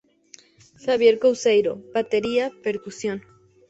Javier Couceiro: Batería, percusión.